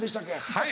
はい？